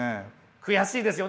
悔しいですよね。